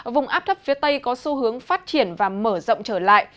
vùng áp thấp phía tây có xu hướng phát triển và mở rộng trở lại